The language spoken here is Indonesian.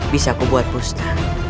bisa ku buat pusna